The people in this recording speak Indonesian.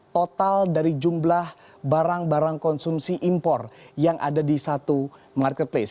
total dari jumlah barang barang konsumsi impor yang ada di satu marketplace